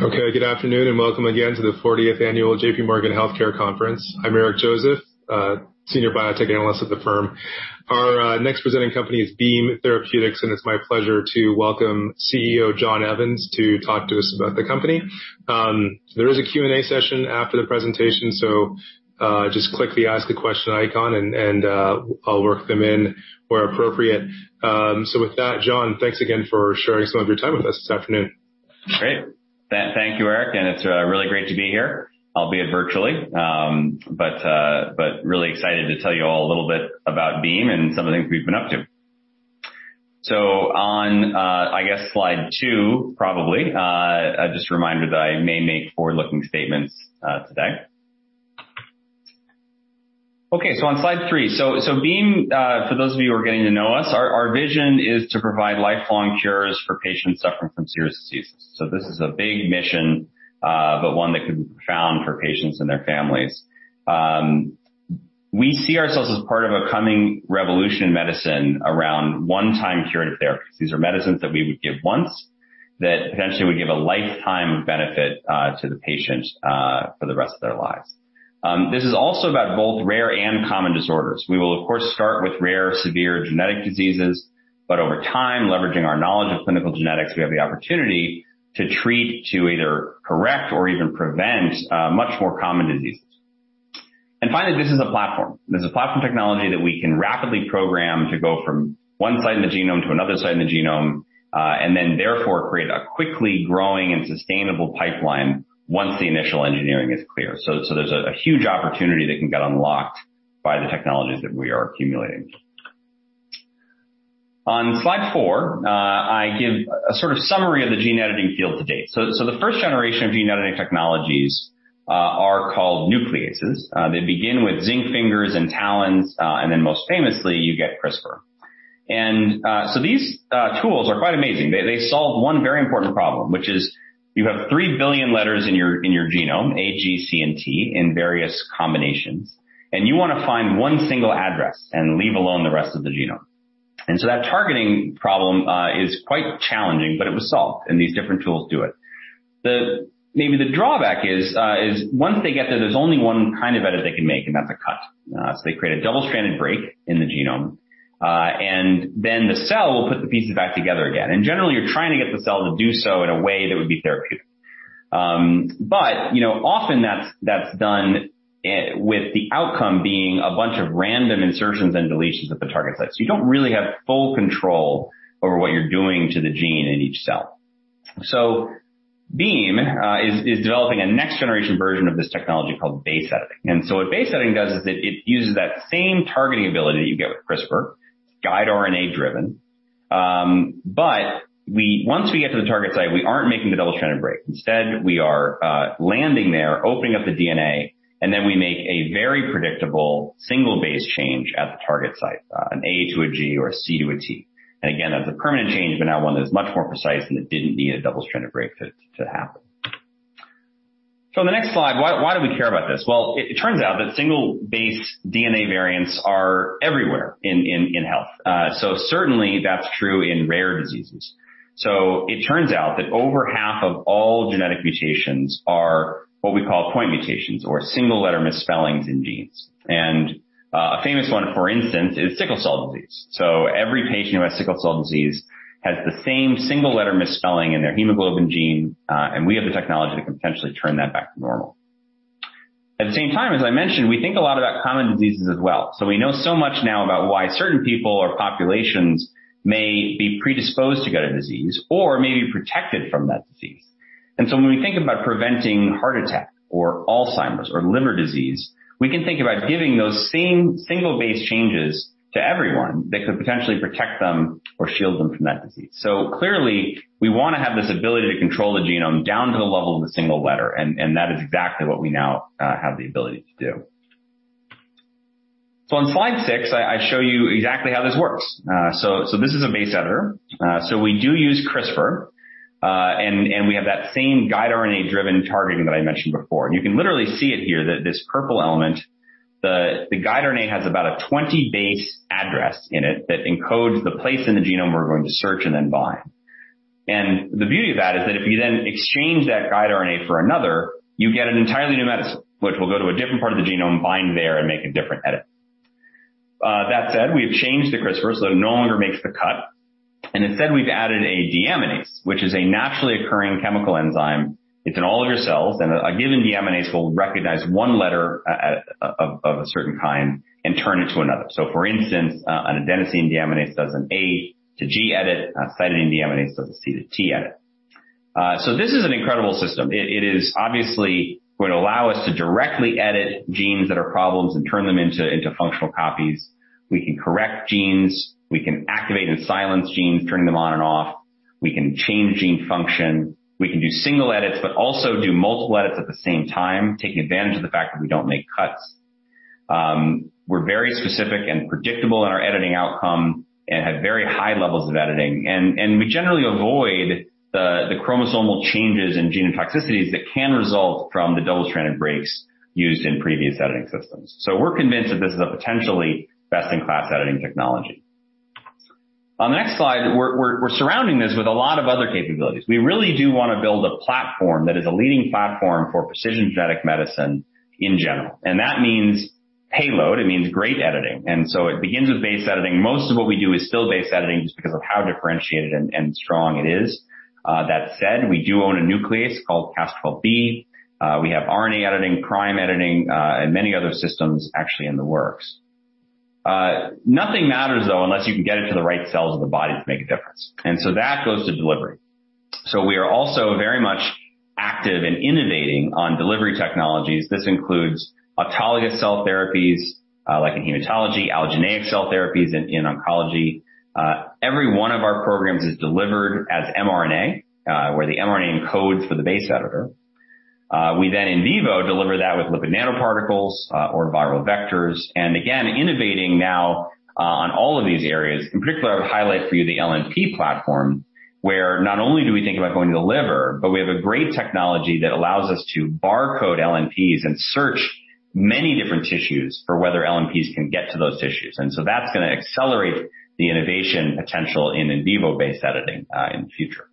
Okay. Good afternoon, and welcome again to the 40th annual JPMorgan Healthcare Conference. I'm Eric Joseph, Senior Biotech Analyst at the firm. Our next presenting company is Beam Therapeutics, and it's my pleasure to welcome CEO John Evans to talk to us about the company. There is a Q&A session after the presentation, so just click the Ask a Question icon and I'll work them in where appropriate. With that, John, thanks again for sharing some of your time with us this afternoon. Great. Thank you, Eric, and it's really great to be here, albeit virtually. Really excited to tell you all a little bit about Beam and some of the things we've been up to. On, I guess slide two, probably, just a reminder that I may make forward-looking statements today. Okay, on slide three. Beam, for those of you who are getting to know us, our vision is to provide lifelong cures for patients suffering from serious diseases. This is a big mission, but one that can be profound for patients and their families. We see ourselves as part of a coming revolution in medicine around one-time curative therapies. These are medicines that we would give once that potentially would give a lifetime of benefit to the patient for the rest of their lives. This is also about both rare and common disorders. We will, of course, start with rare, severe genetic diseases, but over time, leveraging our knowledge of clinical genetics, we have the opportunity to treat to either correct or even prevent much more common diseases. Finally, this is a platform. This is a platform technology that we can rapidly program to go from one side of the genome to another side of the genome and then therefore create a quickly growing and sustainable pipeline once the initial engineering is clear. There's a huge opportunity that can get unlocked by the technologies that we are accumulating. On slide four, I give a sort of summary of the gene editing field to date. The first generation of gene editing technologies are called nucleases. They begin with zinc fingers and TALENs, and then most famously, you get CRISPR. These tools are quite amazing. They solve one very important problem, which is you have 3 billion letters in your genome, A, G, C, and T, in various combinations, and you wanna find one single address and leave alone the rest of the genome. That targeting problem is quite challenging, but it was solved, and these different tools do it. Maybe the drawback is once they get there's only one kind of edit they can make, and that's a cut. They create a double-stranded break in the genome, and then the cell will put the pieces back together again. Generally, you're trying to get the cell to do so in a way that would be therapeutic. You know, often that's done with the outcome being a bunch of random insertions and deletions at the target site. You don't really have full control over what you're doing to the gene in each cell. Beam is developing a next generation version of this technology called base editing. What base editing does is it uses that same targeting ability that you get with CRISPR, guide RNA-driven, but once we get to the target site, we aren't making the double-stranded break. Instead, we are landing there, opening up the DNA, and then we make a very predictable single base change at the target site, an A to a G or a C to a T. Again, that's a permanent change, but now one that is much more precise and that didn't need a double-stranded break to happen. On the next slide, why do we care about this? Well, it turns out that single base DNA variants are everywhere in health. Certainly that's true in rare diseases. It turns out that over half of all genetic mutations are what we call point mutations or single letter misspellings in genes. A famous one, for instance, is sickle cell disease. Every patient who has sickle cell disease has the same single letter misspelling in their hemoglobin gene, and we have the technology that can potentially turn that back to normal. At the same time, as I mentioned, we think a lot about common diseases as well. We know so much now about why certain people or populations may be predisposed to get a disease or may be protected from that disease. When we think about preventing heart attack or Alzheimer's or liver disease, we can think about giving those same single base changes to everyone that could potentially protect them or shield them from that disease. Clearly, we wanna have this ability to control the genome down to the level of a single letter, and that is exactly what we now have the ability to do. On slide six, I show you exactly how this works. This is a base editor. We do use CRISPR, and we have that same guide RNA-driven targeting that I mentioned before. You can literally see it here, this purple element. The guide RNA has about a 20-base address in it that encodes the place in the genome we're going to search and then bind. The beauty of that is that if you then exchange that guide RNA for another, you get an entirely new medicine, which will go to a different part of the genome, bind there, and make a different edit. That said, we have changed the CRISPR so that it no longer makes the cut, and instead we've added a deaminase, which is a naturally occurring chemical enzyme. It's in all of your cells, and a given deaminase will recognize one letter of a certain kind and turn it to another. For instance, an adenosine deaminase does an A to G edit. A cytidine deaminase does a C to T edit. This is an incredible system. It obviously would allow us to directly edit genes that are problems and turn them into functional copies. We can correct genes, we can activate and silence genes, turning them on and off, we can change gene function. We can do single edits, but also do multiple edits at the same time, taking advantage of the fact that we don't make cuts. We're very specific and predictable in our editing outcome and have very high levels of editing. We generally avoid the chromosomal changes in gene toxicities that can result from the double-stranded breaks used in previous editing systems. We're convinced that this is a potentially best-in-class editing technology. On the next slide, we're surrounding this with a lot of other capabilities. We really do wanna build a platform that is a leading platform for precision genetic medicine in general. That means payload, it means great editing. It begins with base editing. Most of what we do is still base editing just because of how differentiated and strong it is. That said, we do own a nuclease called Cas12b. We have RNA editing, prime editing, and many other systems actually in the works. Nothing matters though unless you can get it to the right cells of the body to make a difference. That goes to delivery. We are also very much active in innovating on delivery technologies. This includes autologous cell therapies, like in hematology, allogeneic cell therapies in oncology. Every one of our programs is delivered as mRNA, where the mRNA encodes for the base editor. We then in vivo deliver that with lipid nanoparticles, or viral vectors, and again, innovating now, on all of these areas. In particular, I would highlight for you the LNP platform, where not only do we think about going to the liver, but we have a great technology that allows us to barcode LNPs and search many different tissues for whether LNPs can get to those tissues. That's gonna accelerate the innovation potential in vivo-based editing, in the future.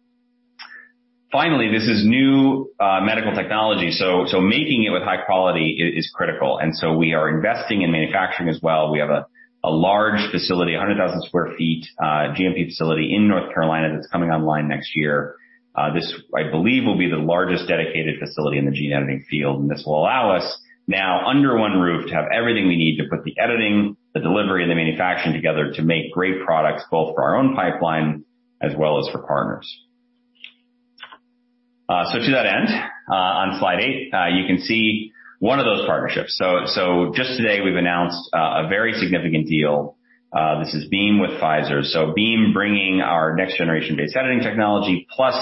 Finally, this is new medical technology. Making it with high quality is critical, and we are investing in manufacturing as well. We have a large facility, 100,000 sq ft GMP facility in North Carolina that's coming online next year. This, I believe, will be the largest dedicated facility in the gene editing field, and this will allow us now under one roof to have everything we need to put the editing, the delivery, and the manufacturing together to make great products, both for our own pipeline as well as for partners. To that end, on slide eight, you can see one of those partnerships. Just today, we've announced a very significant deal. This is Beam with Pfizer. Beam bringing our next-generation base editing technology, plus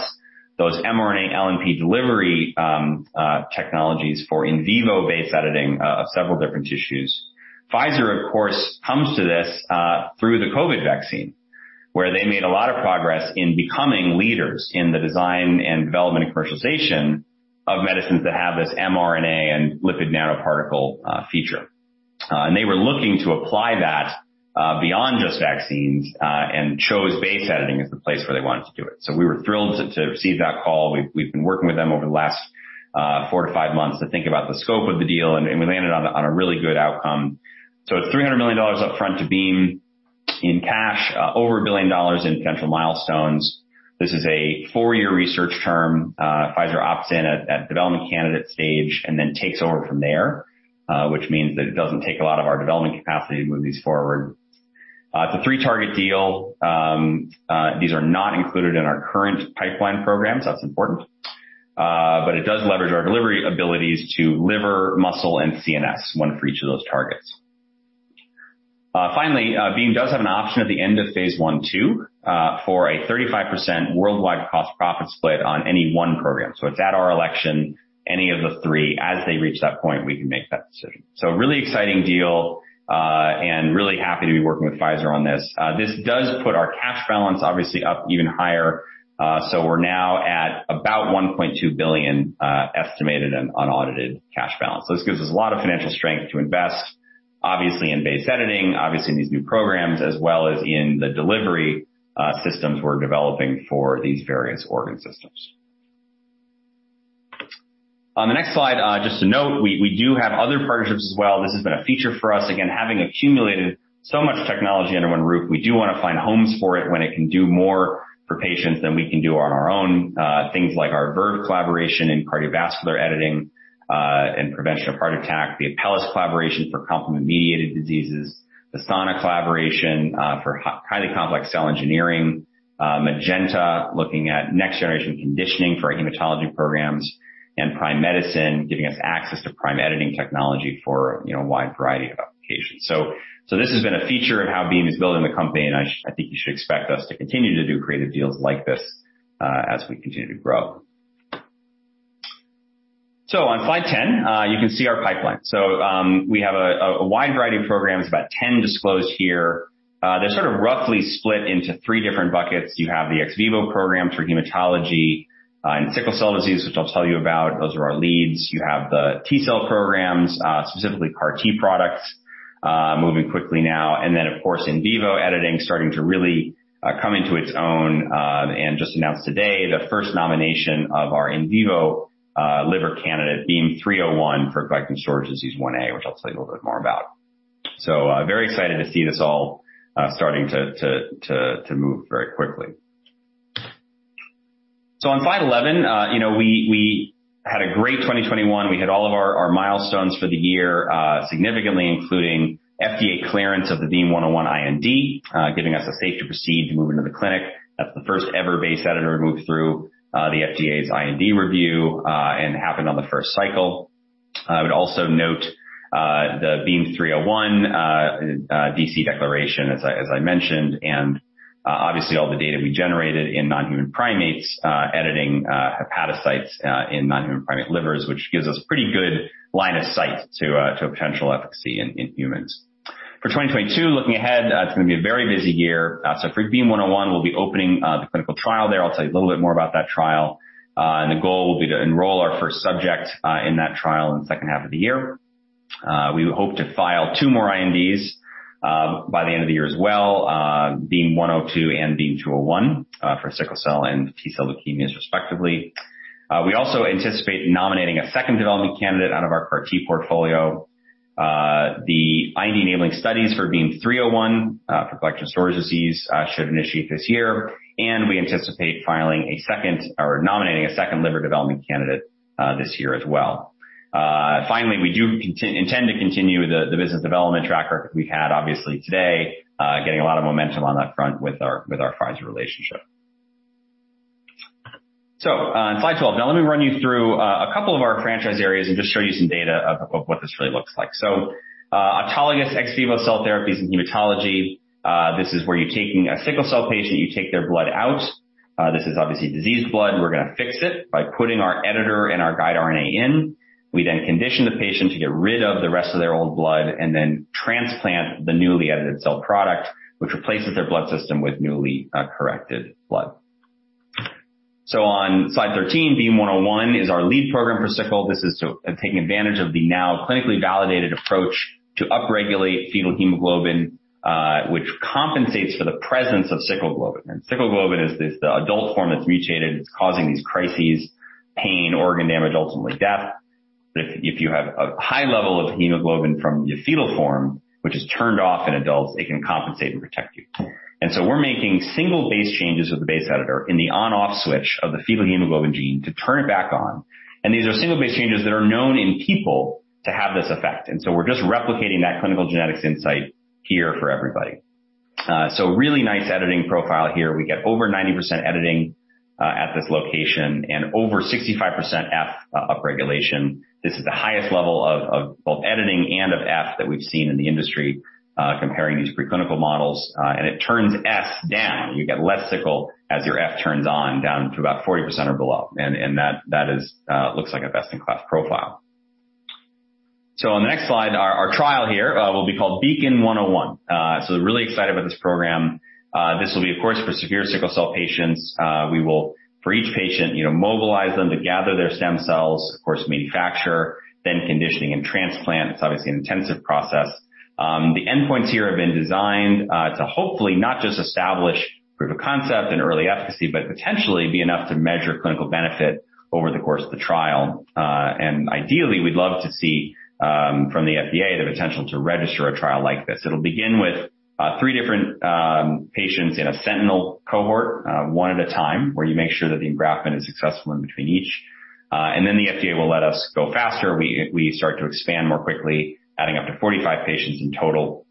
those mRNA LNP delivery technologies for in vivo base editing of several different tissues. Pfizer, of course, comes to this through the COVID vaccine, where they made a lot of progress in becoming leaders in the design and development and commercialization of medicines that have this mRNA and lipid nanoparticle feature. They were looking to apply that beyond just vaccines and chose base editing as the place where they wanted to do it. We were thrilled to receive that call. We've been working with them over the last 4-5 months to think about the scope of the deal, and we landed on a really good outcome. It's $300 million up front to Beam in cash, over $1 billion in potential milestones. This is a 4-year research term. Pfizer opts in at development candidate stage and then takes over from there, which means that it doesn't take a lot of our development capacity to move these forward. It's a 3-target deal. These are not included in our current pipeline programs. That's important. But it does leverage our delivery abilities to liver, muscle, and CNS, one for each of those targets. Finally, Beam does have an option at the end of phase I too, for a 35% worldwide cost profit split on any one program. It's at our election, any of the three. As they reach that point, we can make that decision. A really exciting deal, and really happy to be working with Pfizer on this. This does put our cash balance obviously up even higher. We're now at about $1.2 billion estimated and unaudited cash balance. This gives us a lot of financial strength to invest, obviously in base editing, obviously in these new programs, as well as in the delivery systems we're developing for these various organ systems. On the next slide, just to note, we do have other partnerships as well. This has been a feature for us. Again, having accumulated so much technology under one roof, we do wanna find homes for it when it can do more for patients than we can do on our own. Things like our Verve collaboration in cardiovascular editing and prevention of heart attack, the Apellis collaboration for complement-mediated diseases, the Sana collaboration for highly complex cell engineering, Magenta looking at next-generation conditioning for our hematology programs, and Prime Medicine giving us access to prime editing technology for, you know, a wide variety of applications. This has been a feature of how Beam is building the company, and I think you should expect us to continue to do creative deals like this as we continue to grow. On slide 10, you can see our pipeline. We have a wide variety of programs, about 10 disclosed here. They're sort of roughly split into three different buckets. You have the ex vivo program for hematology and sickle cell disease, which I'll tell you about. Those are our leads. You have the T-cell programs, specifically CAR T products, moving quickly now. Then, of course, in vivo editing starting to really come into its own, and just announced today the first nomination of our in vivo liver candidate, BEAM-301 for glycogen storage disease 1a, which I'll tell you a little bit more about. Very excited to see this all starting to move very quickly. On slide 11, you know, we had a great 2021. We hit all of our milestones for the year, significantly including FDA clearance of the BEAM-101 IND, giving us a safe to proceed to move into the clinic. That's the first ever base editor to move through the FDA's IND review and happened on the first cycle. I would also note the BEAM-301 IND clearance as I mentioned, and obviously all the data we generated in non-human primates editing hepatocytes in non-human primate livers, which gives us pretty good line of sight to a potential efficacy in humans. For 2022, looking ahead, it's gonna be a very busy year. For BEAM-101, we'll be opening the clinical trial there. I'll tell you a little bit more about that trial. The goal will be to enroll our first subject in that trial in the second half of the year. We hope to file two more INDs by the end of the year as well, BEAM-102 and BEAM-201, for sickle cell and T-cell leukemias respectively. We also anticipate nominating a second development candidate out of our CAR T portfolio. The IND-enabling studies for BEAM-301 for glycogen storage disease should initiate this year, and we anticipate filing a second or nominating a second liver development candidate this year as well. Finally, we do intend to continue the business development track record we had obviously today, getting a lot of momentum on that front with our Pfizer relationship. On slide 12. Now let me run you through a couple of our franchise areas and just show you some data of what this really looks like. Autologous ex vivo cell therapies in hematology, this is where you're taking a sickle cell patient, you take their blood out. This is obviously diseased blood. We're gonna fix it by putting our editor and our guide RNA in. We then condition the patient to get rid of the rest of their old blood and then transplant the newly edited cell product, which replaces their blood system with newly corrected blood. On slide 13, BEAM-101 is our lead program for sickle. This is taking advantage of the now clinically validated approach to upregulate fetal hemoglobin, which compensates for the presence of sickle globin. Sickle globin is this, the adult form that's mutated. It's causing these crises, pain, organ damage, ultimately death. If you have a high level of hemoglobin from your fetal form, which is turned off in adults, it can compensate and protect you. We're making single base changes with the base editor in the on/off switch of the fetal hemoglobin gene to turn it back on, and these are single base changes that are known in people to have this effect. We're just replicating that clinical genetics insight here for everybody. So really nice editing profile here. We get over 90% editing at this location and over 65% F upregulation. This is the highest level of both editing and of F that we've seen in the industry, comparing these preclinical models. It turns F down. You get less sickle as your F turns on down to about 40% or below. That looks like a best-in-class profile. On the next slide, our trial here will be called BEACON-101. Really excited about this program. This will be, of course, for severe sickle cell patients. We will, for each patient, you know, mobilize them to gather their stem cells, of course, manufacture, then conditioning and transplant. It's obviously an intensive process. The endpoints here have been designed to hopefully not just establish proof of concept and early efficacy, but potentially be enough to measure clinical benefit over the course of the trial. Ideally, we'd love to see from the FDA, the potential to register a trial like this. It'll begin with three different patients in a sentinel cohort, one at a time, where you make sure that the engraftment is successful in between each. The FDA will let us go faster. We start to expand more quickly, adding up to 45 patients in total.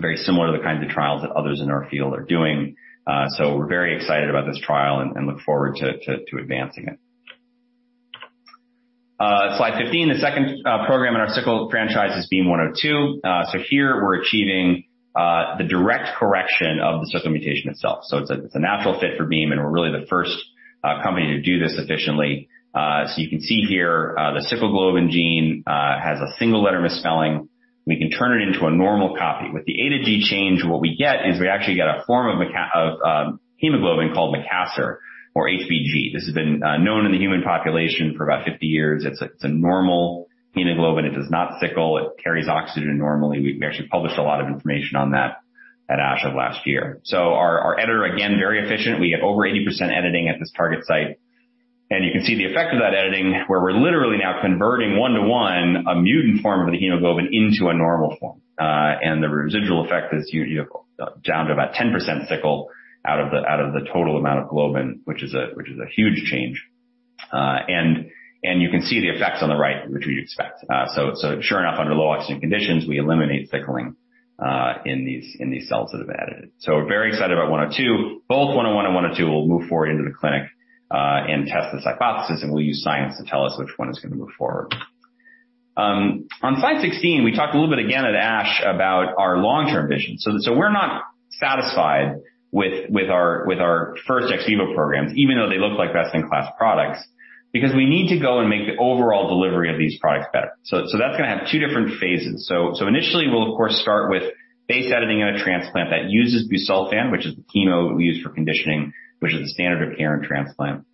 Very similar to the kinds of trials that others in our field are doing. We're very excited about this trial and look forward to advancing it. Slide 15, the second program in our sickle franchise is BEAM-102. Here we're achieving the direct correction of the sickle mutation itself. It's a natural fit for BEAM, and we're really the first company to do this efficiently. You can see here, the sickle globin gene has a single letter misspelling. We can turn it into a normal copy. With the A to G change, what we get is we actually get a form of hemoglobin called Makassar or HbG. This has been known in the human population for about 50 years. It's a normal hemoglobin. It does not sickle. It carries oxygen normally. We've actually published a lot of information on that at ASH of last year. Our editor, again, very efficient. We get over 80% editing at this target site. You can see the effect of that editing, where we're literally now converting one to one a mutant form of the hemoglobin into a normal form. The residual effect is huge, down to about 10% sickle out of the total amount of globin, which is a huge change. You can see the effects on the right, which we'd expect. Sure enough, under low oxygen conditions, we eliminate sickling in these cells that have edited. We're very excited about 102. Both 101 and 102 will move forward into the clinic, and test this hypothesis, and we'll use science to tell us which one is gonna move forward. On slide 16, we talked a little bit again at ASH about our long-term vision. We're not satisfied with our first ex vivo programs, even though they look like best-in-class products, because we need to go and make the overall delivery of these products better. That's gonna have two different phases. Initially we'll of course start with base editing in a transplant that uses busulfan, which is the chemo we use for conditioning, which is the standard of care in transplant.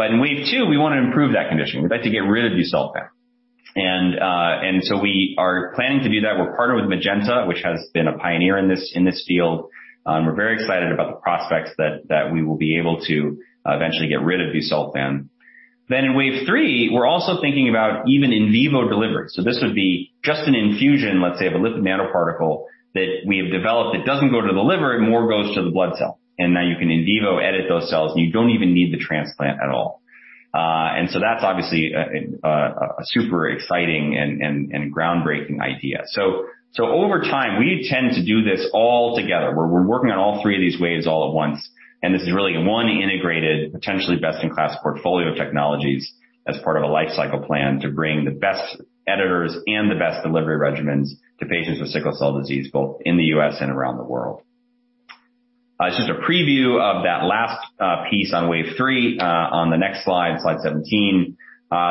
In wave two, we wanna improve that conditioning. We'd like to get rid of busulfan. We're planning to do that. We're partnered with Magenta, which has been a pioneer in this field. We're very excited about the prospects that we will be able to eventually get rid of busulfan. In wave three, we're also thinking about even in vivo delivery. This would be just an infusion, let's say, of a lipid nanoparticle that we have developed that doesn't go to the liver and more goes to the blood cell. Now you can in vivo edit those cells, and you don't even need the transplant at all. That's obviously a super exciting and groundbreaking idea. Over time, we intend to do this all together, where we're working on all three of these waves all at once, and this is really one integrated, potentially best-in-class portfolio of technologies as part of a lifecycle plan to bring the best editors and the best delivery regimens to patients with sickle cell disease, both in the U.S. and around the world. This is just a preview of that last piece on wave three on the next slide 17.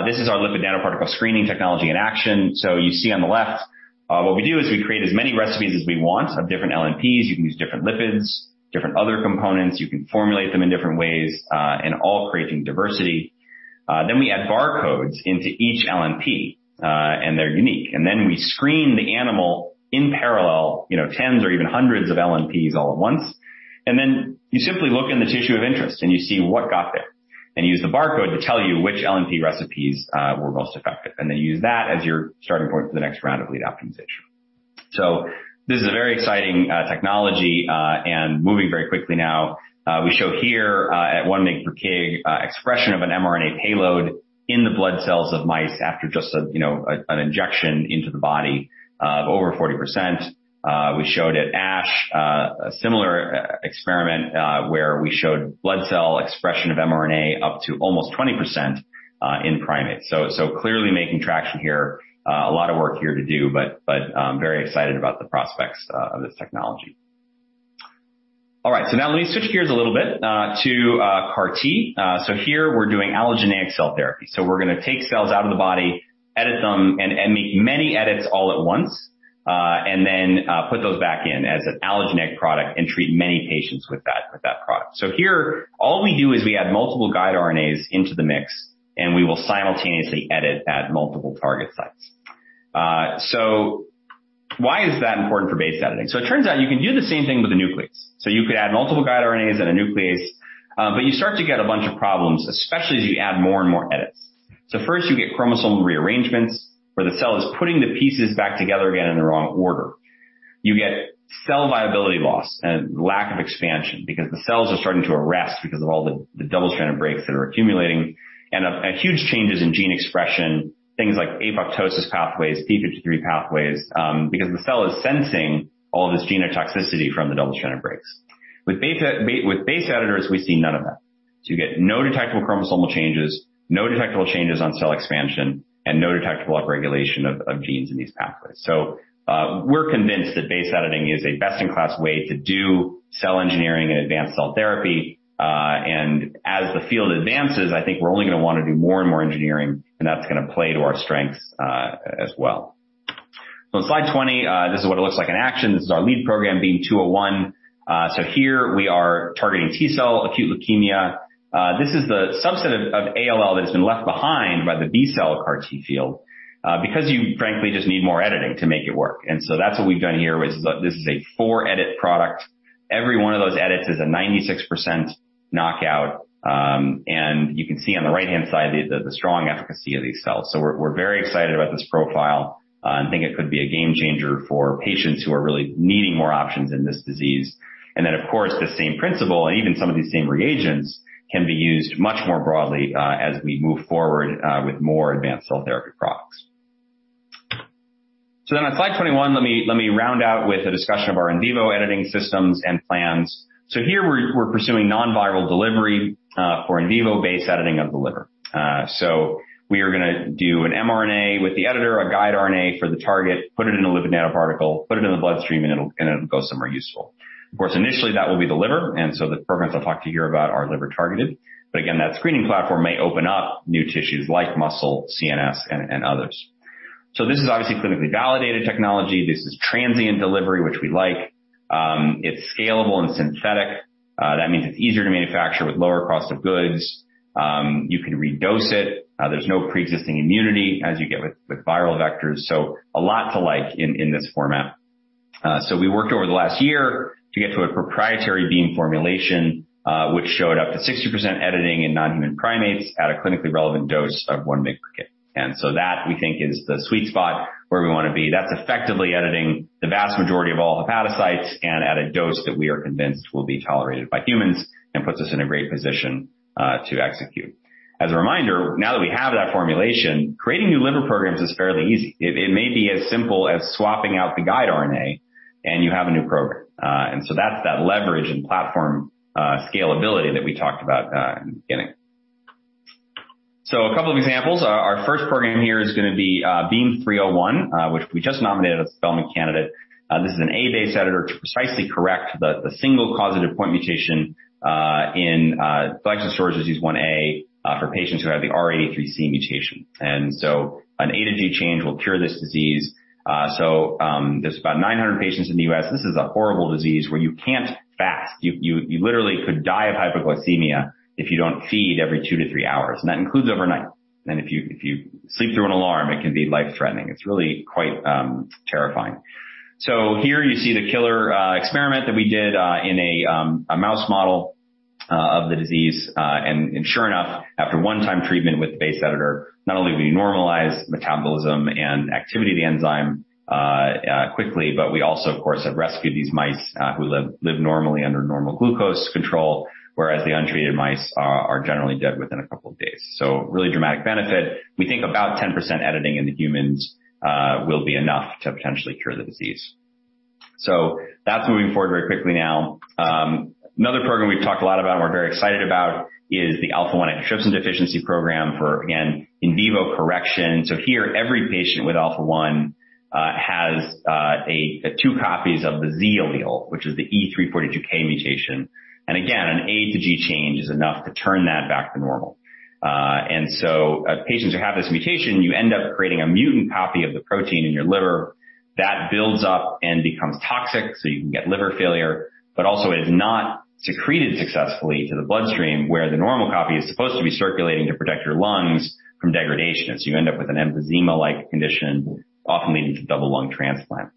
This is our lipid nanoparticle screening technology in action. You see on the left, what we do is we create as many recipes as we want of different LNPs. You can use different lipids, different other components. You can formulate them in different ways, and all creating diversity. Then we add barcodes into each LNP, and they're unique. Then we screen the animal in parallel, you know, tens or even hundreds of LNPs all at once. Then you simply look in the tissue of interest and you see what got there, and use the barcode to tell you which LNP recipes were most effective, and then use that as your starting point for the next round of lead optimization. This is a very exciting technology and moving very quickly now. We show here at 1 mg per kg expression of an mRNA payload in the blood cells of mice after just a, you know, an injection into the body of over 40%. We showed at ASH similar experiment where we showed blood cell expression of mRNA up to almost 20% in primates. Clearly making traction here. A lot of work here to do, but very excited about the prospects of this technology. All right, now let me switch gears a little bit to CAR T. Here we're doing allogeneic cell therapy. We're gonna take cells out of the body, edit them, and make many edits all at once, and then put those back in as an allogeneic product and treat many patients with that product. Here, all we do is we add multiple guide RNAs into the mix, and we will simultaneously edit at multiple target sites. Why is that important for base editing? It turns out you can do the same thing with a nuclease. You could add multiple guide RNAs and a nuclease, but you start to get a bunch of problems, especially as you add more and more edits. First, you get chromosomal rearrangements, where the cell is putting the pieces back together again in the wrong order. You get cell viability loss and lack of expansion because the cells are starting to arrest because of all the double-stranded breaks that are accumulating. Huge changes in gene expression, things like apoptosis pathways, p53 pathways, because the cell is sensing all this genotoxicity from the double-stranded breaks. With base editors, we see none of that. You get no detectable chromosomal changes, no detectable changes on cell expansion, and no detectable upregulation of genes in these pathways. We're convinced that base editing is a best-in-class way to do cell engineering and advanced cell therapy, and as the field advances, I think we're only gonna wanna do more and more engineering, and that's gonna play to our strengths as well. Slide 20, this is what it looks like in action. This is our lead program, BEAM-201. Here we are targeting T-cell acute leukemia. This is the subset of ALL that has been left behind by the B-cell CAR T field, because you frankly just need more editing to make it work. That's what we've done here, which is that this is a four-edit product. Every one of those edits is a 96% knockout, and you can see on the right-hand side the strong efficacy of these cells. We're very excited about this profile, and think it could be a game changer for patients who are really needing more options in this disease. Of course, the same principle and even some of these same reagents can be used much more broadly, as we move forward, with more advanced cell therapy products. On slide 21, let me round out with a discussion of our in vivo editing systems and plans. Here we're pursuing non-viral delivery for in vivo-based editing of the liver. We are gonna do an mRNA with the editor, a guide RNA for the target, put it in a lipid nanoparticle, put it in the bloodstream, and it'll go somewhere useful. Of course, initially, that will be the liver, and the programs I'll talk to you here about are liver-targeted. But again, that screening platform may open up new tissues like muscle, CNS, and others. This is obviously clinically validated technology. This is transient delivery, which we like. It's scalable and synthetic. That means it's easier to manufacture with lower cost of goods. You can redose it. There's no pre-existing immunity as you get with viral vectors. A lot to like in this format. We worked over the last year to get to a proprietary BEAM formulation, which showed up to 60% editing in non-human primates at a clinically relevant dose of 1 mg/kg. That, we think, is the sweet spot where we wanna be. That's effectively editing the vast majority of all hepatocytes and at a dose that we are convinced will be tolerated by humans and puts us in a great position to execute. As a reminder, now that we have that formulation, creating new liver programs is fairly easy. It may be as simple as swapping out the guide RNA, and you have a new program. That's that leverage and platform scalability that we talked about in the beginning. A couple of examples. Our first program here is gonna be BEAM-301, which we just nominated as a development candidate. This is an A-based editor to precisely correct the single causative point mutation in glycogen storage disease Type 1a for patients who have the R83C mutation. An A-to-G change will cure this disease. There's about 900 patients in the U.S. This is a horrible disease where you can't fast. You literally could die of hypoglycemia if you don't feed every 2-3 hours, and that includes overnight. And if you sleep through an alarm, it can be life-threatening. It's really quite terrifying. Here you see the killer experiment that we did in a mouse model of the disease, and sure enough, after one-time treatment with the base editor, not only do we normalize metabolism and activity of the enzyme quickly, but we also, of course, have rescued these mice who live normally under normal glucose control, whereas the untreated mice are generally dead within a couple of days. Really dramatic benefit. We think about 10% editing in the humans will be enough to potentially cure the disease. That's moving forward very quickly now. Another program we've talked a lot about and we're very excited about is the alpha-1 antitrypsin deficiency program for, again, in vivo correction. Here, every patient with alpha-1 has two copies of the Z allele, which is the E342K mutation. Again, an A-to-G change is enough to turn that back to normal. Patients who have this mutation, you end up creating a mutant copy of the protein in your liver that builds up and becomes toxic, so you can get liver failure, but also is not secreted successfully to the bloodstream where the normal copy is supposed to be circulating to protect your lungs from degradation. You end up with an emphysema-like condition, often leading to double lung transplant.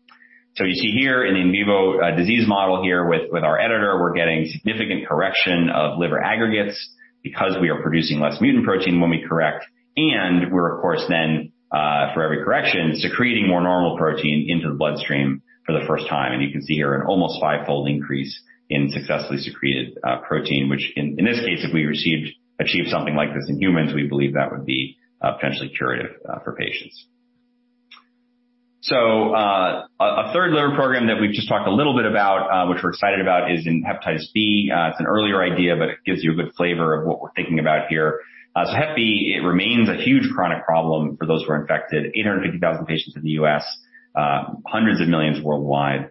You see here in the in vivo disease model here with our editor, we're getting significant correction of liver aggregates because we are producing less mutant protein when we correct. We're of course for every correction, secreting more normal protein into the bloodstream for the first time. You can see here an almost five-fold increase in successfully secreted protein, which in this case, if we achieve something like this in humans, we believe that would be potentially curative for patients. A third liver program that we've just talked a little bit about, which we're excited about, is in Hepatitis B. It's an earlier idea, but it gives you a good flavor of what we're thinking about here. Hep B remains a huge chronic problem for those who are infected, 850,000 patients in the U.S., hundreds of millions worldwide.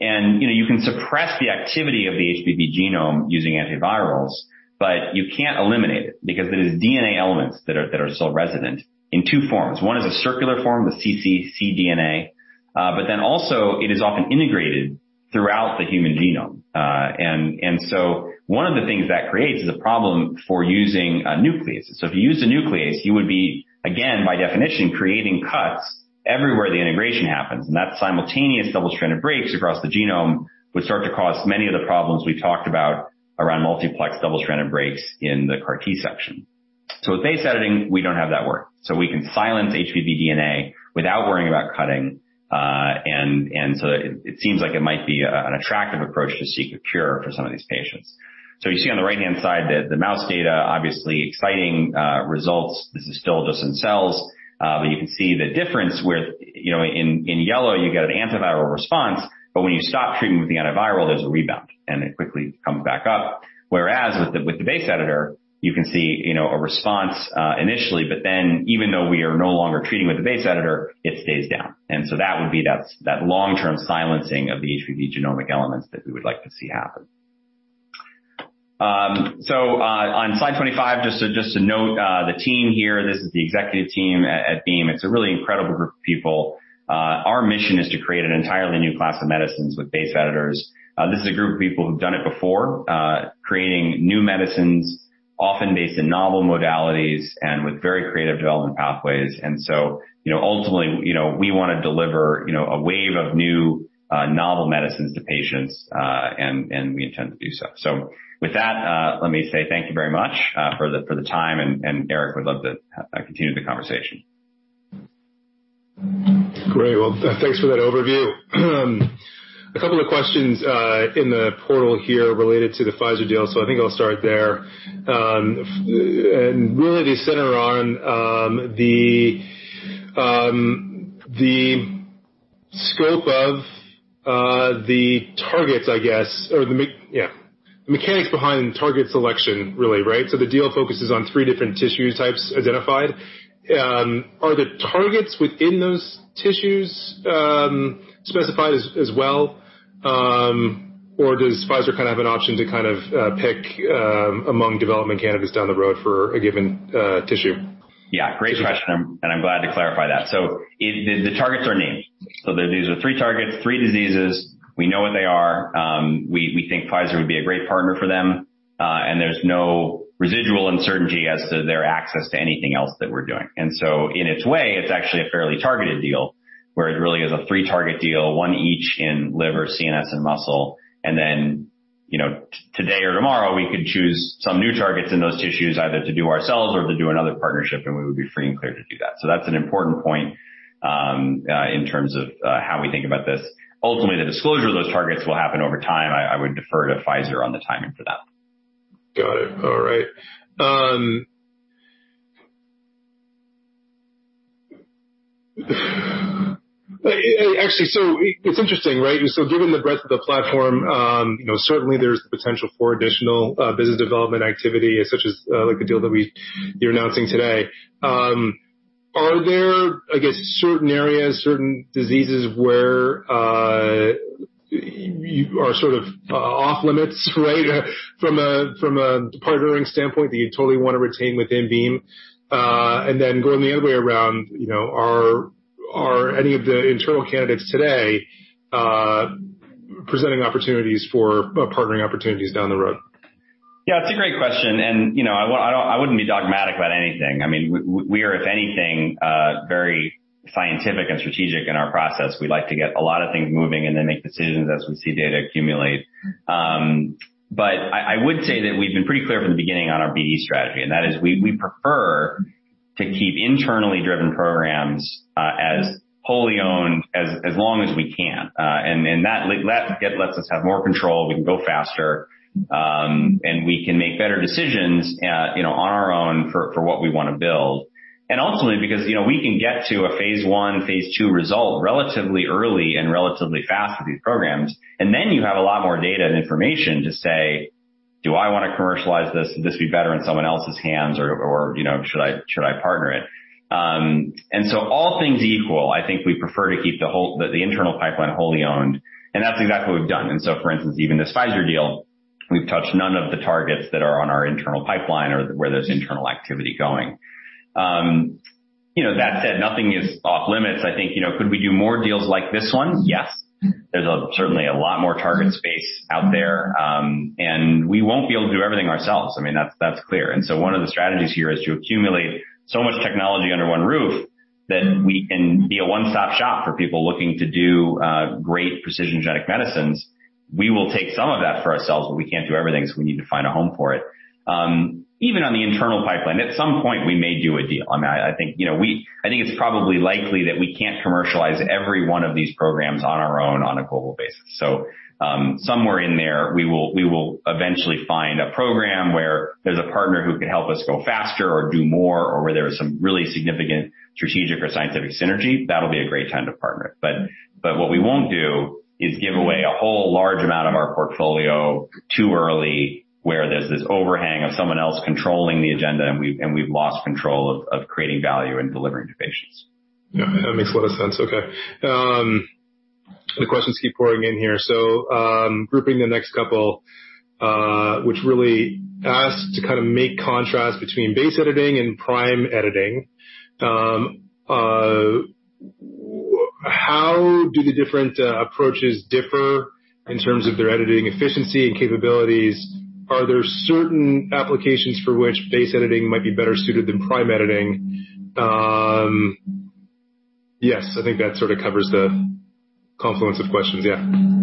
You know, you can suppress the activity of the HBV genome using antivirals, but you can't eliminate it because there is DNA elements that are still resident in two forms. One is a circular form, the cccDNA, but then also it is often integrated throughout the human genome. One of the things that creates is a problem for using a nuclease. If you use a nuclease, you would be, again, by definition, creating cuts everywhere the integration happens. That simultaneous double-stranded breaks across the genome would start to cause many of the problems we talked about around multiplex double-stranded breaks in the CAR T section. With base editing, we don't have that work. We can silence HBV DNA without worrying about cutting, and so it seems like it might be an attractive approach to seek a cure for some of these patients. You see on the right-hand side the mouse data, obviously exciting results. This is still just in cells, but you can see the difference with, you know, in yellow, you get an antiviral response, but when you stop treating with the antiviral, there's a rebound, and it quickly comes back up. Whereas with the base editor, you can see, you know, a response initially, but then even though we are no longer treating with the base editor, it stays down. That would be that long-term silencing of the HBV genomic elements that we would like to see happen. On slide 25, just to note, the team here, this is the executive team at Beam. It's a really incredible group of people. Our mission is to create an entirely new class of medicines with base editors. This is a group of people who've done it before, creating new medicines, often based in novel modalities and with very creative development pathways. Ultimately, you know, we wanna deliver, you know, a wave of new, novel medicines to patients, and we intend to do so. With that, let me say thank you very much, for the time, and Eric would love to continue the conversation. Great. Well, thanks for that overview. A couple of questions in the portal here related to the Pfizer deal, so I think I'll start there. Really they center on the scope of the targets, I guess. Or yeah, the mechanics behind target selection, really, right? The deal focuses on three different tissue types identified. Are the targets within those tissues specified as well, or does Pfizer kind of have an option to kind of pick among development candidates down the road for a given tissue? Yeah, great question, and I'm glad to clarify that. The targets are named. These are three targets, three diseases. We know what they are. We think Pfizer would be a great partner for them, and there's no residual uncertainty as to their access to anything else that we're doing. In its way, it's actually a fairly targeted deal, where it really is a three-target deal, one each in liver, CNS, and muscle. You know, today or tomorrow, we could choose some new targets in those tissues either to do ourselves or to do another partnership, and we would be free and clear to do that. That's an important point, in terms of how we think about this. Ultimately, the disclosure of those targets will happen over time. I would defer to Pfizer on the timing for that. Got it. All right. Actually, it's interesting, right? Given the breadth of the platform, you know, certainly there's the potential for additional business development activity, such as, like the deal that you're announcing today. Are there, I guess, certain areas, certain diseases where you are sort of off-limits, right, from a partnering standpoint that you totally wanna retain within Beam? Then going the other way around, you know, are any of the internal candidates today presenting opportunities for partnering opportunities down the road? Yeah, it's a great question. You know, I wouldn't be dogmatic about anything. I mean, we are, if anything, very scientific and strategic in our process. We like to get a lot of things moving and then make decisions as we see data accumulate. I would say that we've been pretty clear from the beginning on our BE strategy, and that is we prefer to keep internally driven programs as wholly owned as long as we can. That lets us have more control, we can go faster, and we can make better decisions, you know, on our own for what we wanna build. Ultimately, because, you know, we can get to a phase I, phase II result relatively early and relatively fast with these programs, and then you have a lot more data and information to say, "Do I wanna commercialize this? Would this be better in someone else's hands or, you know, should I partner it?" All things equal, I think we prefer to keep the internal pipeline wholly owned, and that's exactly what we've done. For instance, even this Pfizer deal, we've touched none of the targets that are on our internal pipeline or where there's internal activity going. You know, that said, nothing is off-limits. I think, you know, could we do more deals like this one? Yes. There's certainly a lot more target space out there, and we won't be able to do everything ourselves. I mean, that's clear. One of the strategies here is to accumulate so much technology under one roof. Then we can be a one-stop shop for people looking to do great precision genetic medicines. We will take some of that for ourselves, but we can't do everything, so we need to find a home for it. Even on the internal pipeline, at some point, we may do a deal. I mean, I think, you know, I think it's probably likely that we can't commercialize every one of these programs on our own on a global basis. Somewhere in there, we will eventually find a program where there's a partner who can help us go faster or do more, or where there is some really significant strategic or scientific synergy. That'll be a great time to partner. What we won't do is give away a whole large amount of our portfolio too early, where there's this overhang of someone else controlling the agenda, and we've lost control of creating value and delivering to patients. Yeah, that makes a lot of sense. Okay. The questions keep pouring in here. Grouping the next couple, which really asks to kind of make contrast between base editing and prime editing. How do the different approaches differ in terms of their editing efficiency and capabilities? Are there certain applications for which base editing might be better suited than prime editing? Yes, I think that sort of covers the confluence of questions, yeah.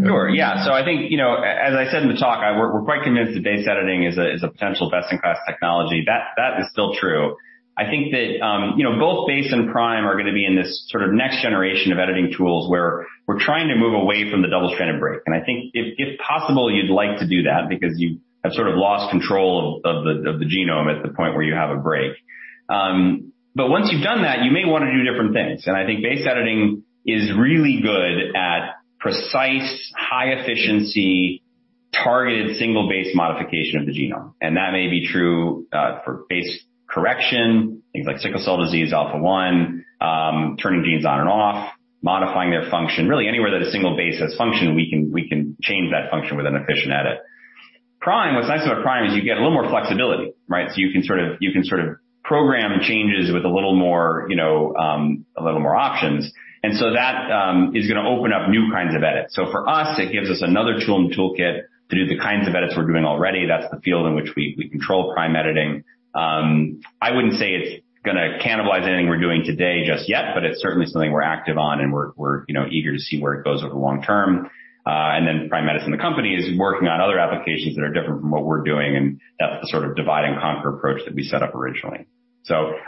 Sure, yeah. I think, you know, as I said in the talk, we're quite convinced that base editing is a potential best-in-class technology. That is still true. I think that, you know, both base and prime are gonna be in this sort of next generation of editing tools where we're trying to move away from the double-stranded break. I think if possible, you'd like to do that because you have sort of lost control of the genome at the point where you have a break. Once you've done that, you may wanna do different things. I think base editing is really good at precise, high-efficiency, targeted single-base modification of the genome. That may be true for base editing, things like sickle cell disease, alpha-1, turning genes on and off, modifying their function. Really anywhere that a single base has function, we can change that function with an efficient edit. Prime, what's nice about prime is you get a little more flexibility, right? You can sort of program changes with a little more, you know, a little more options. That is gonna open up new kinds of edits. For us, it gives us another tool and toolkit to do the kinds of edits we're doing already. That's the field in which we control prime editing. I wouldn't say it's gonna cannibalize anything we're doing today just yet, but it's certainly something we're active on, and we're, you know, eager to see where it goes over long term. Prime Medicine, the company, is working on other applications that are different from what we're doing, and that's the sort of divide and conquer approach that we set up originally.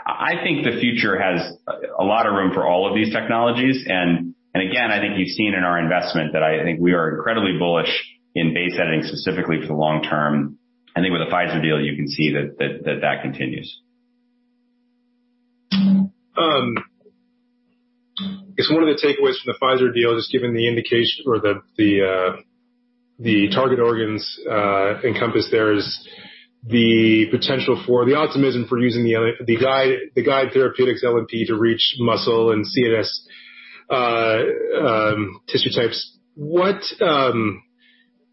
I think the future has a lot of room for all of these technologies. Again, I think you've seen in our investment that I think we are incredibly bullish in base editing, specifically for the long term. I think with the Pfizer deal, you can see that continues. I guess one of the takeaways from the Pfizer deal, just given the indication or the target organs encompassed there, is the potential for the optimism for using the guide therapeutics LNP to reach muscle and CNS tissue types.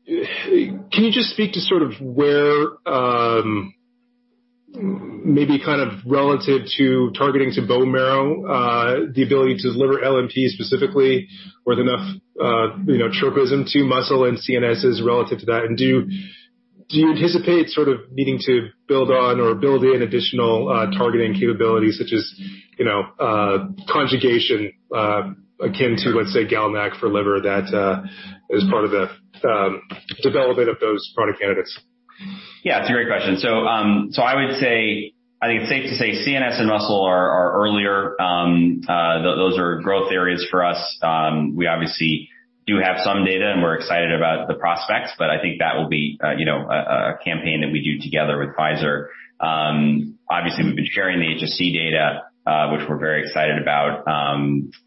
Can you just speak to sort of where maybe kind of relative to targeting to bone marrow the ability to deliver LNPs specifically with enough you know tropism to muscle and CNS relative to that? Do you anticipate sort of needing to build on or build in additional targeting capabilities such as you know conjugation akin to, let's say, GalNAc for liver that as part of the development of those product candidates? Yeah, it's a great question. I would say I think it's safe to say CNS and muscle are earlier. Those are growth areas for us. We obviously do have some data, and we're excited about the prospects, but I think that will be, you know, a campaign that we do together with Pfizer. Obviously, we've been sharing the HSC data, which we're very excited about.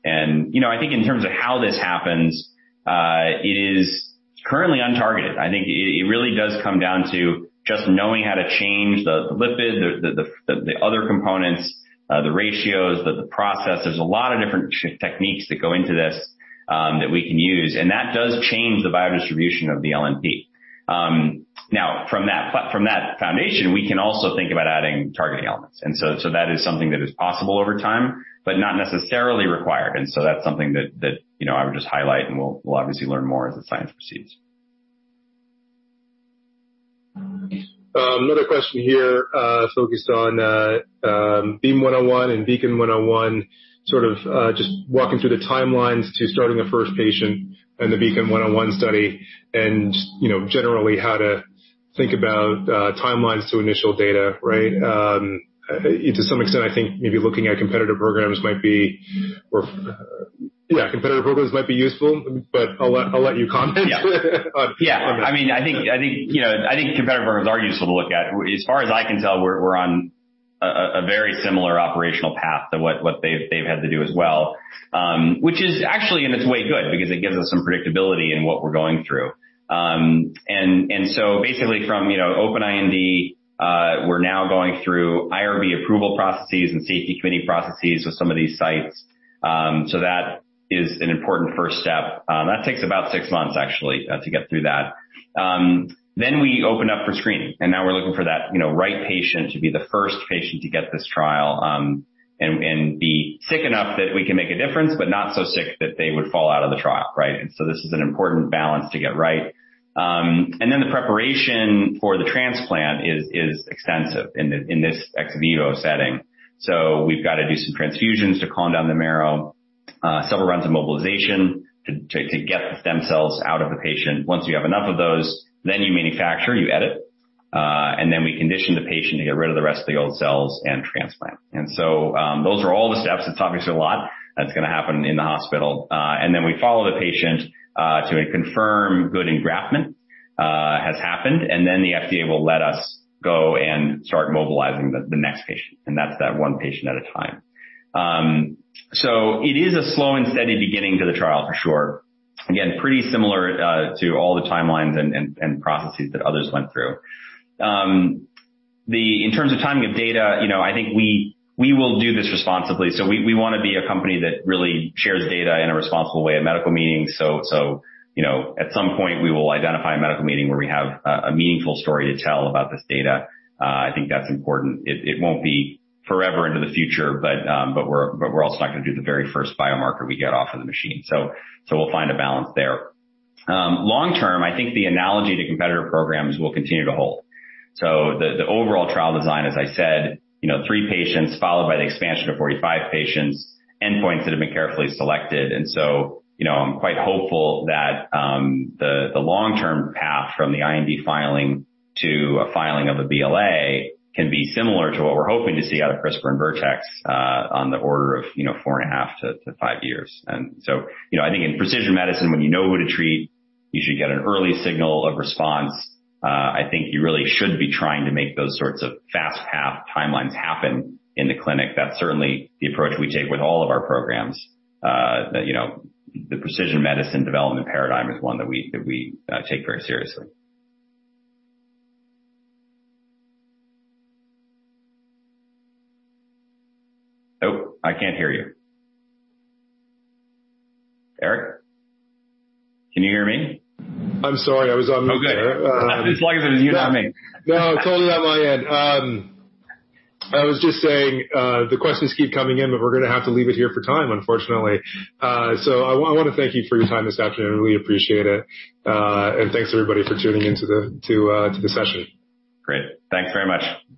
You know, I think in terms of how this happens, it is currently untargeted. I think it really does come down to just knowing how to change the lipid, the other components, the ratios, the process. There's a lot of different techniques that go into this that we can use, and that does change the biodistribution of the LNP. Now from that foundation, we can also think about adding targeting elements. That is something that is possible over time, but not necessarily required. That's something that you know, I would just highlight, and we'll obviously learn more as the science proceeds. Another question here, focused on BEAM-101 and BEACON, sort of just walking through the timelines to starting the first patient in the BEACON study and, you know, generally how to think about timelines to initial data, right? To some extent, I think maybe looking at competitive programs might be useful, yeah, but I'll let you comment on that. Yeah. I mean, I think you know competitive programs are useful to look at. As far as I can tell, we're on a very similar operational path to what they've had to do as well. Which is actually in its way good because it gives us some predictability in what we're going through. Basically from, you know, open IND, we're now going through IRB approval processes and safety committee processes with some of these sites. That is an important first step. That takes about six months actually to get through that. We open up for screening, and now we're looking for that, you know, right patient to be the first patient to get this trial, and be sick enough that we can make a difference, but not so sick that they would fall out of the trial, right? This is an important balance to get right. The preparation for the transplant is extensive in this ex vivo setting. We've got to do some transfusions to calm down the marrow. Several rounds of mobilization to get the stem cells out of the patient. Once you have enough of those, you manufacture, you edit, and we condition the patient to get rid of the rest of the old cells and transplant. Those are all the steps. It's obviously a lot that's gonna happen in the hospital. We follow the patient to confirm good engraftment has happened, and then the FDA will let us go and start mobilizing the next patient, and that's that one patient at a time. It is a slow and steady beginning to the trial for sure. Again, pretty similar to all the timelines and processes that others went through. In terms of timing of data, you know, I think we will do this responsibly. We wanna be a company that really shares data in a responsible way at medical meetings. You know, at some point we will identify a medical meeting where we have a meaningful story to tell about this data. I think that's important. It won't be forever into the future, but we're also not gonna do the very first biomarker we get off of the machine. We'll find a balance there. Long-term, I think the analogy to competitor programs will continue to hold. The overall trial design, as I said, you know, three patients followed by the expansion to 45 patients, endpoints that have been carefully selected. You know, I'm quite hopeful that the long-term path from the IND filing to a filing of a BLA can be similar to what we're hoping to see out of CRISPR and Vertex on the order of, you know, 4.5-5 years. You know, I think in precision medicine, when you know who to treat, you should get an early signal of response. I think you really should be trying to make those sorts of fast path timelines happen in the clinic. That's certainly the approach we take with all of our programs, you know, the precision medicine development paradigm is one that we take very seriously. Oh, I can't hear you. Eric, can you hear me? I'm sorry. I was on mute there. Okay. As long as it was you, not me. No, totally on my end. I was just saying, the questions keep coming in, but we're gonna have to leave it here for time, unfortunately. I wanna thank you for your time this afternoon. We appreciate it. Thanks, everybody, for tuning in to the session. Great. Thanks very much.